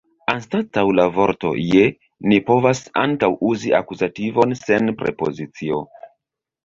Anstataŭ la vorto « je » ni povas ankaŭ uzi akuzativon sen prepozicio.